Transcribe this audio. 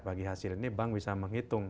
bagi hasil ini bank bisa menghitung